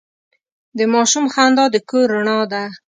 د ماشوم خندا د کور رڼا ده.